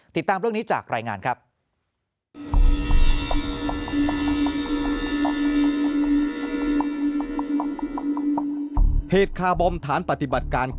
ติดตามเรื่องนี้จากรายงานครับ